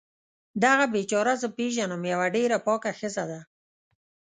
دغه بیچاره زه پیږنم یوه ډیره پاکه ښځه ده